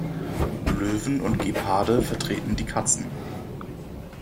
Löwen und Geparde vertreten die Katzen.